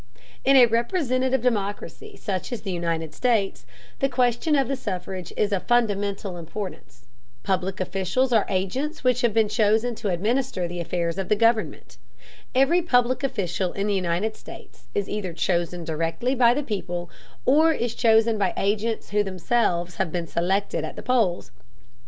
In a representative democracy such as the United States, the question of the suffrage is of fundamental importance. Public officials are agents which have been chosen to administer the affairs of government. Every public official in the United States is either chosen directly by the people, or is chosen by agents who themselves have been selected at the polls.